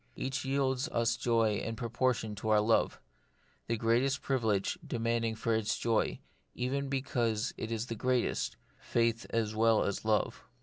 Each yields us joy in proportion to our love ; the greatest 92 The Mystery of Pain, privilege demanding for its joy, even because it is the greatest, faith as well as love.